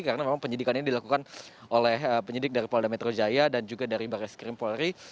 karena memang penyidikannya dilakukan oleh penyidik dari polda metro jaya dan juga dari baris krim polri